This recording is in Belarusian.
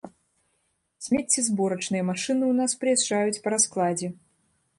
Смеццезборачныя машыны ў нас прыязджаюць па раскладзе.